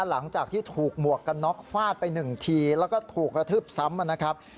หลังจากที่ถูกหมวกกันน็อกฟาดไปหนึ่งทีแล้วก็ถูกกระทืบซ้ำนะครับ